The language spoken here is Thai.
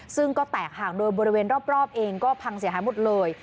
ซึ่งก็แตกห่างโดยบริเวณรอบเองก็พังเสียหายหมดเลย